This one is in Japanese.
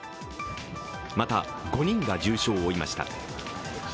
また５人が重傷を負いました。